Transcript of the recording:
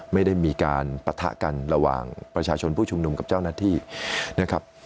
ไม่ได้มีการปะทะกันระหว่างประชาชนผู้ชุมนุมกับเจ้าหน้าที่นะครับ